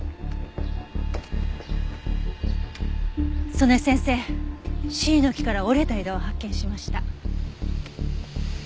曽根先生シイの木から折れた枝を発見しました。